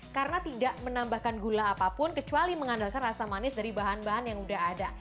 karena tidak menambahkan gula apapun kecuali mengandalkan rasa manis dari bahan bahan yang sudah ada